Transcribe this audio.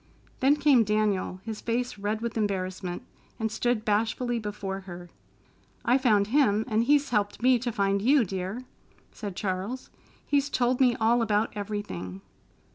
Then came Daniel, his face red with embarrassment, and stood bashfully before her. "I found him, and he's helped me to find you, dear," said Charles. "He's told me all about everything."